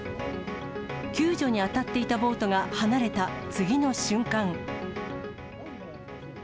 救助に当たっていたボートが離れた次の瞬間。